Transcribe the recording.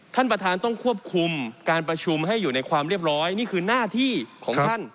ท่านประธานต้องควบคุมการประชุมให้อยู่ในความเรียบร้อยนี่คือหน้าที่ของท่าน